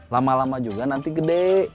lama lama juga nanti gede